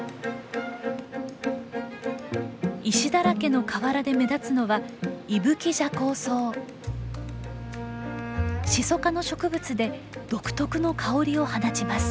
石だらけの河原で目立つのはシソ科の植物で独特の香りを放ちます。